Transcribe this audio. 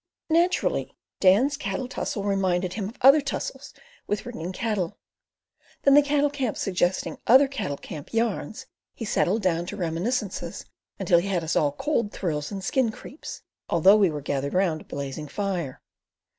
Naturally Dan's cattle tussle reminded him of other tussles with ringing cattle; then the cattle camp suggesting other cattle camp yarns, he settled down to reminiscences until he had us all cold thrills and skin creeps, although we were gathered around a blazing fire.